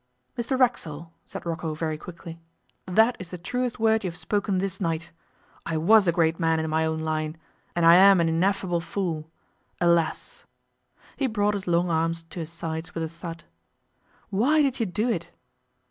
'Mr Racksole,' said Rocco very quickly, 'that is the truest word you have spoken this night. I was a great man in my own line. And I am an ineffable fool. Alas!' He brought his long arms to his sides with a thud. 'Why did you do it?